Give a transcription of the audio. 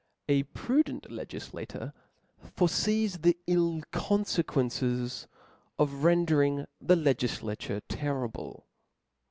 A prudent legiflator forefees the ill confc auences of rendering the legiflature terrible.